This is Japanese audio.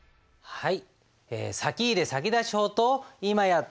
はい。